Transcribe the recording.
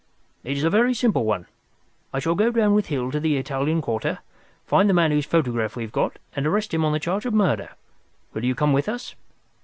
"Is a very simple one. I shall go down with Hill to the Italian Quarter, find the man whose photograph we have got, and arrest him on the charge of murder. Will you come with us?"